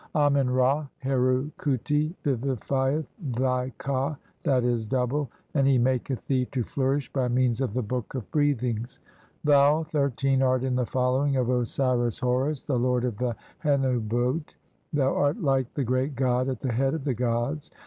Amen Ra "Heru khuti vivifieth thy ka {I. e., double), and he "maketh thee to flourish by means of the Book of "Breathings. Thou (i3) art in the following of Osiris "Horus, the lord of the Hennu Boat ; thou art like "the great god at the head of the gods.